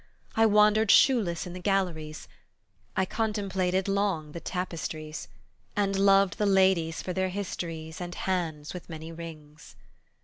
I wandered shoeless in the galleries; I contemplated long the tapestries, And loved the ladies for their histories And hands with many rings.